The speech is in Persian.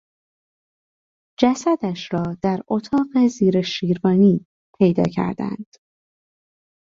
جسدش را در اتاق زیر شیروانی پیدا کردند.